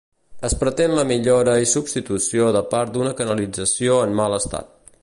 Es pretén la millora i substitució de part d’una canalització en mal estat.